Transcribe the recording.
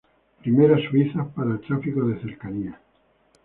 Primeras "Suizas" para el tráfico de cercanías.